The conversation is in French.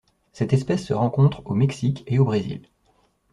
Cette espèce se rencontre au Mexique et au Brésil.